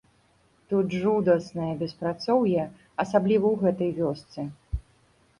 Тут жудаснае беспрацоўе, асабліва ў гэтай вёсцы.